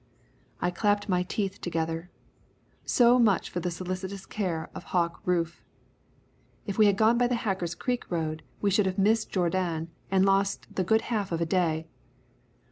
I clapped my teeth together. So much for the solicitous care of Hawk Rufe. If we had gone by the Hacker's Creek road we should have missed Jourdan and lost the good half of a day.